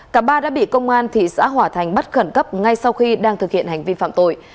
cả ba đã bị công an thị xã hòa thành bắt khẩn cấp ngay sau khi đang thực hiện hành vi phạm tội